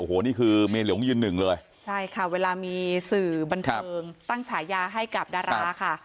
โอ้โหนี่คือเมียหลวงยืนหนึ่งเลยใช่ค่ะเวลามีสื่อบันเทิงตั้งฉายาให้กับดาราค่ะ